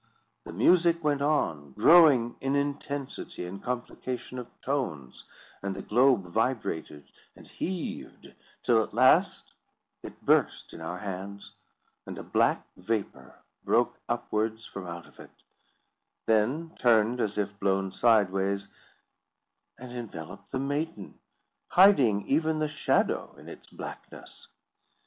The music went on growing in, intensity and complication of tones, and the globe vibrated and heaved; till at last it burst in our hands, and a black vapour broke upwards from out of it; then turned, as if blown sideways, and enveloped the maiden, hiding even the shadow in its blackness.